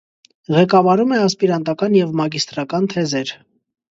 Ղեկավարում է ասպիրանտական և մագիստրական թեզեր։